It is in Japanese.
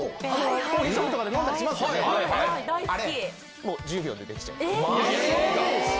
大好きあれもう１０秒でできちゃいます